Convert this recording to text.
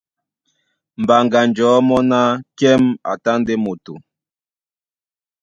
Mbaŋganjɔ̌ mɔ́ ná: Kɛ́m a tá ndé moto.